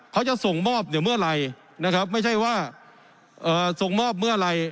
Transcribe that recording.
เขาจะส่งมอบเนี่ยเมื่อไหร่นะครับไม่ใช่ว่าส่งมอบเมื่อไหร่